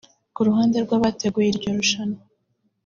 Ku ruhande rw’abateguye iryo rushanwa